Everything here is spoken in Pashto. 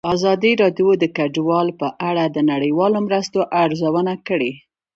ازادي راډیو د کډوال په اړه د نړیوالو مرستو ارزونه کړې.